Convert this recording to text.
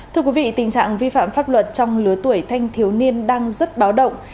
thưa quý vị tình trạng vi phạm pháp luật trong lứa tuổi thanh thiếu niên đang rất báo động